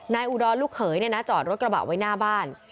นายอุดรลูกเหยเนี่ยนะจอดรถกระเป๋าไว้หน้าบ้าน